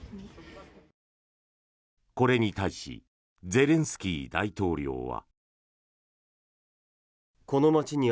これに対しゼレンスキー大統領は。